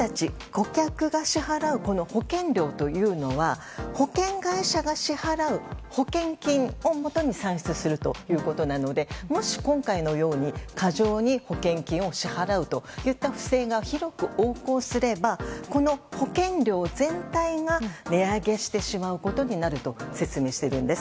顧客が支払う保険料というのは保険会社が支払う保険金をもとに算出するということなのでもし今回のように過剰に保険金を支払うといった不正が広く横行すればこの保険料全体が値上げしてしまうことになると説明しているんです。